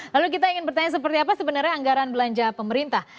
lalu kita ingin bertanya seperti apa sebenarnya anggaran belanja pemerintah